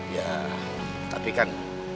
ya tapi kan